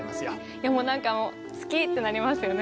いやもうなんか好きってなりますよね。